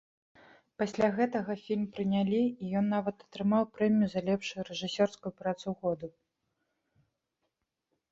Пасля гэтага фільм прынялі, і ён нават атрымаў прэмію за лепшую рэжысёрскую працу году.